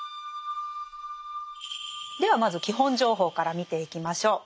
ではまず基本情報から見ていきましょう。